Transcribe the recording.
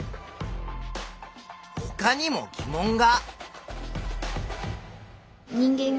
ほかにも疑問が。